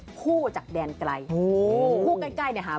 อย่างแรกเลยก็คือการทำบุญเกี่ยวกับเรื่องของพวกการเงินโชคลาภ